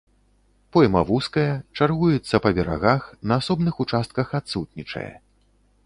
Пойма вузкая, чаргуецца па берагах, на асобных участках адсутнічае.